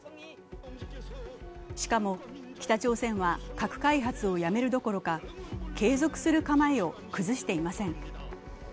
しかも北朝鮮は核開発をやめるどころか継続する構えを崩していません。